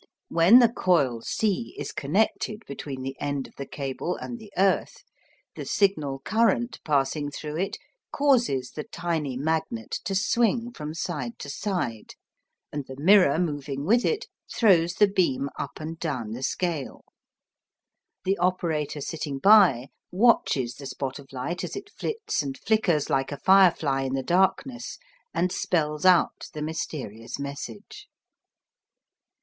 Now, when the coil C is connected between the end of the cable and the earth, the signal current passing through it causes the tiny magnet to swing from side to side, and the mirror moving with it throws the beam up and down the scale. The operator sitting by watches the spot of light as it flits and flickers like a fire fly in the darkness, and spells out the mysterious message.